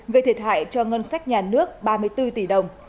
gây thiệt hại cho ngân sách nhà nước ba mươi bốn tỷ đồng